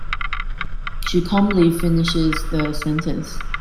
She calmly finishes the sentence.